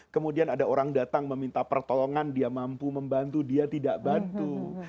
kemudian ada orang datang meminta pertolongan dia mampu membantu dia tidak bantu